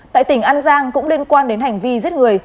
tại tỉnh an giang cũng liên quan đến hành vi giết người